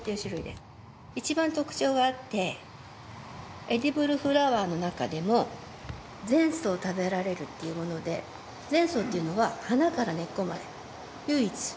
いちばん特徴があってエディブルフラワーの中でも全草食べられるっていうもので全草っていうのは花から根っこまで唯一。